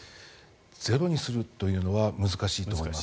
ゼロにするというのは難しいと思います。